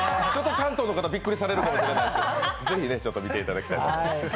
関東の方、びっくりされるかもしれないけどぜひ見ていただきたいと。